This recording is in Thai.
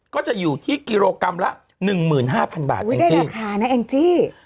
ก็จะอยู่ที่กิโลกรัมละ๑๕๐๐๐บาทได้ราคานะแอ้งจี้